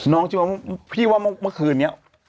น้องพี่ว่าเมื่อคืนนี้